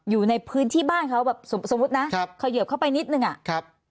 อยู่ในพื้นที่บ้านเขาสมมุตินะเขาเหยียบเข้าไปนิดหนึ่งอ่ะ